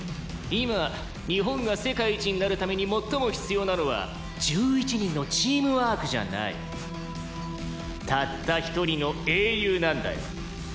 「今日本が世界一になるために最も必要なのは１１人のチームワークじゃない」「たった一人の英雄なんだよ」